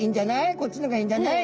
こっちのがいいんじゃない？」